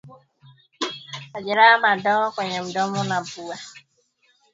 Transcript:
Majeraha madogo kwenye mdomo na pua